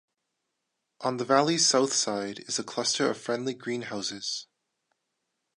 On the valley's south side is a cluster of friendly greenhouses.